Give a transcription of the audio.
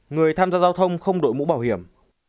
người tham gia giao thông không đội mũ bảo hiểm